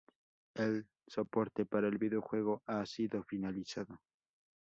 El soporte para el videojuego ha sido finalizado.